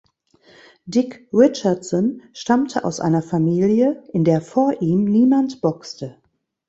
Dick Richardson stammte aus einer Familie, in der vor ihm niemand boxte.